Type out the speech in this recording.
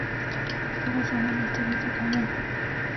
Está basada en la historieta "¡Tabú!